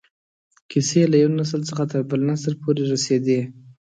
کیسې له یو نسل څخه تر بل نسله پورې رسېدې.